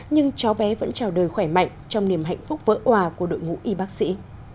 nhưng cháu bé vẫn chào đời khỏe mạnh trong niềm hạnh phúc vỡ hòa của đội ngũ y bác sĩ